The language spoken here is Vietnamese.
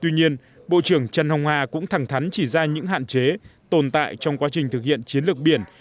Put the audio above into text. tuy nhiên bộ trưởng trần hồng hà cũng thẳng thắn chỉ ra những hạn chế tồn tại trong quá trình thực hiện chiến lược biển